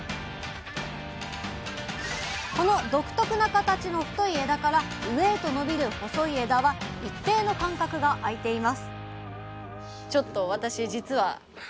この独特な形の太い枝から上へと伸びる細い枝は一定の間隔があいています